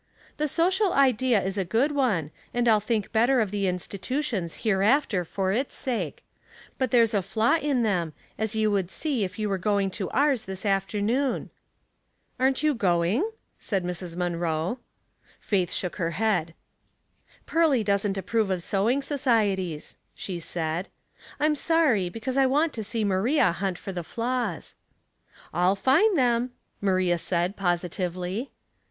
" The sociiJ idea is a good one, and I'll think better of the institutions hereafter for its sake; tut there's a flaw in them, as you would see if you were going to ours this afternoon." *' Aren't you going ?" asked Mrs. Munroe. A Puzzling Discussion. 271 Faith shook her head. " Pearly doesn't approve of sewing societies," she said. " I'm sorry, because I want to see Maria hunt for the flaws." '^ril find them," Maria said, positively.